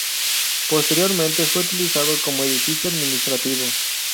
Posteriormente fue utilizado como edificio administrativo.